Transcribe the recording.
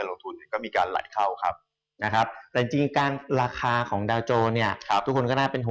เราก็ว่ามันจะขึ้นได้นานถึงสนัดปี